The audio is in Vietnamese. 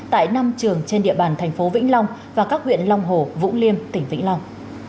tại năm trường trên địa bàn thành phố vĩnh long và các huyện long hồ vũng liêm tỉnh vĩnh long